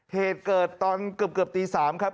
เหตุเกิดตอนเกือบตี๓ครับ